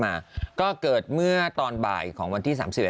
มากเลยครับ